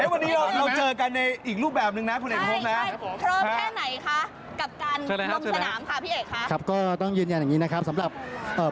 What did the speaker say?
วันนี้อีกหนึ่งเขตที่น่าจะประตามองเขต๑๑ไส้ใหม่